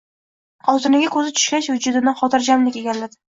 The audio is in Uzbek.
Xotiniga ko‘zi tushgach, vujudini xotirjamlik egalladi.